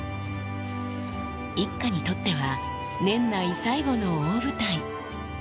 一家にとっては、年内最後の大舞台。